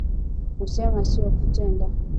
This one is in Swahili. kusema sio kutenda